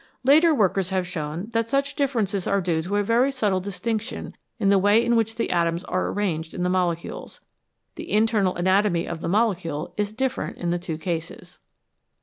Later workers have shown that such differences are due to a very subtle distinction in the way in which the atoms are arranged in the molecules ; the internal anatomy of the molecule is different in the two cases.